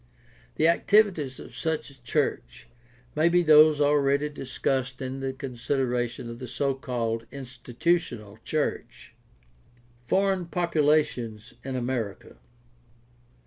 The activities of such a church may be those already discussed in the consideration of the so called ''institutional" church. PRACTICAL THEOLOGY 627 Foreign populations in America.